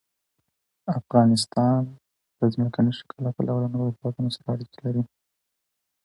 افغانستان د ځمکني شکل له پلوه له نورو هېوادونو سره اړیکې لري.